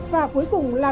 và cuối cùng là